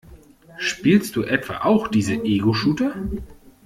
Spielst du etwa auch diese Egoshooter?